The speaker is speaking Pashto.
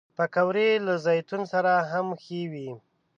پکورې له زیتون سره هم ښه وي